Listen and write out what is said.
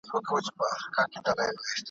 ما که یادوې که هېروې ګیله به نه لرم ,